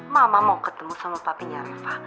mama mau ketemu sama patinya reva